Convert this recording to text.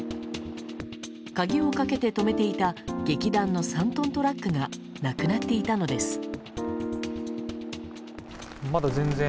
鍵をかけて止めていた劇団の３トントラックがなくなっていたのです。